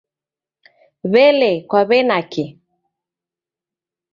W'ele kwaw'enaki?